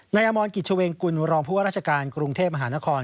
นายอมรกิจเฉวงกุลรองพวกราชการกรุงเทพมหานคร